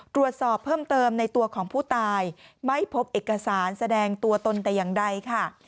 ตรวจสอบเพิ่มเติมในตัวของผู้ตายไม่พบเอกสารแสดงตัวตนแต่อย่างใดค่ะ